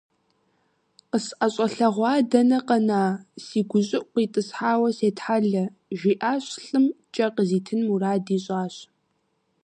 КъысӀэщӀэлъэгъуа дэнэ къэна, си гущӀыӀу къитӀысхьауэ сетхьэлэ! - жиӀащ лӀым, кӀэ къызитын мурад ищӀащ.